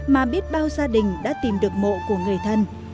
mà biết bao gia đình đã tìm được mộ của người thân